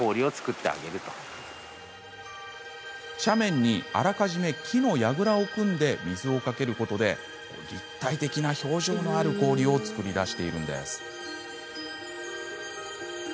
斜面にあらかじめ木のやぐらを組んで水をかけることで立体的な表情のある氷を作り出しているんです。